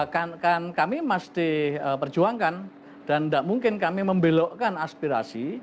kan kami mesti perjuangkan dan tidak mungkin kami membelokkan aspirasi